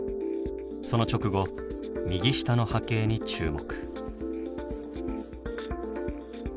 その直後右下の波形に注目。